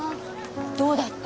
どうだった？